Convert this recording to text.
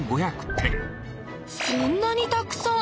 そんなにたくさん！